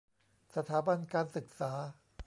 สถาบันการศึกษา